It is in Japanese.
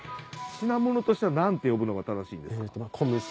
品物としては何て呼ぶのが正しいんですか？